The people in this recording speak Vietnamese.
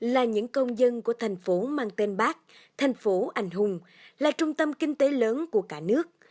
là những công dân của thành phố mang tên bác thành phố ảnh hùng là trung tâm kinh tế lớn của cả nước